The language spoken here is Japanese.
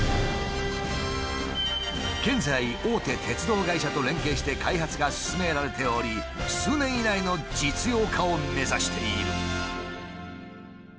現在大手鉄道会社と連携して開発が進められており数年以内の実用化を目指している。